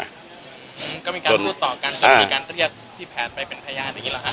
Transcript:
ผมก็มีการพูดต่อกันกับมีการเรียกพี่แผนไปเป็นพยานอย่างนี้หรอฮ